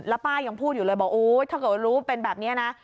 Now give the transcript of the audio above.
แล้วป้ายังพูดอยู่เลยบอกโอ๊ยถ้าเกิดรู้เป็นแบบนี้นะ